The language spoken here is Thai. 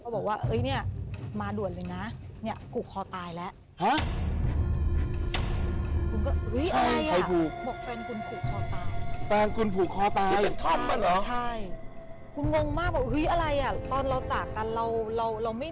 บ้านหลังนี้คือบ้านหลังที่